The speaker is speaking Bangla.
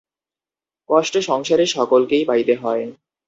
কষ্ট সংসারে সকলকেই পাইতে হয়।